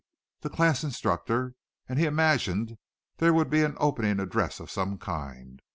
the class instructor, and he imagined there would be an opening address of some kind.